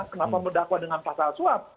kenapa mendakwa dengan pasal suap